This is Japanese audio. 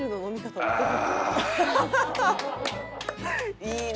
いいね！」